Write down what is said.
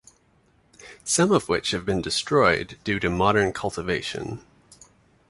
Some of which have been destroyed due to modern cultivation.